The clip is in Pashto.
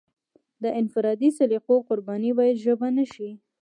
د انفرادي سلیقو قرباني باید ژبه نشي.